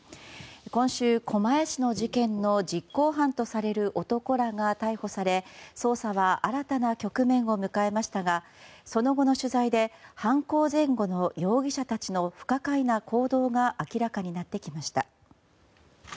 今週、狛江市の事件の実行犯とされる男らが逮捕され捜査は新たな局面を迎えましたがその後の取材で犯行前後の容疑者たちの不可解な行動が明らかになってきました。